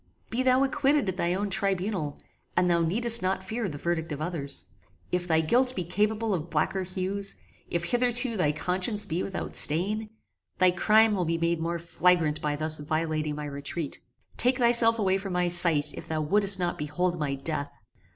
Be thou acquitted at thy own tribunal, and thou needest not fear the verdict of others. If thy guilt be capable of blacker hues, if hitherto thy conscience be without stain, thy crime will be made more flagrant by thus violating my retreat. Take thyself away from my sight if thou wouldest not behold my death!